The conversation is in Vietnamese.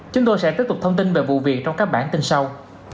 chúng tôi sẽ tiếp tục thông tin về vụ việc trong các bản tin sau